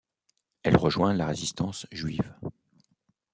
Elle rejoint la résistance juive.